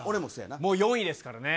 もう４位ですからね。